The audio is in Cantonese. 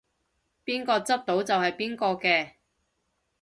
邊個執到就係邊個嘅